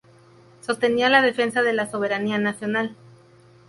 Sostenía la defensa de la soberanía nacional.